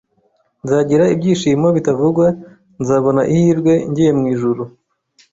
‘’Nzagira ibyishimo bitavugwa nzabona ihirwe ngiye mu ijuru.